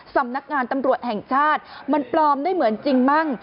สำนักงานตำรวจแห่งชาติมันปลอมได้เหมือนจริงมั่ง